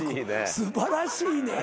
素晴らしい。